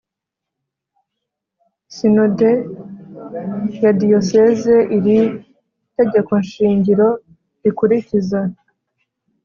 Sinode ya Diyoseze Iri tegekoshingiro rikurikiza